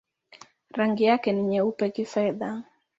Rangi yake ni nyeupe-kifedha.